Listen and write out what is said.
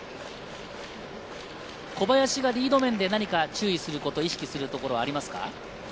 小林がリード面で注意すること、意識するところはありますか？